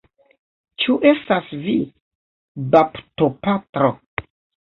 Ĉu estas vi, baptopatro?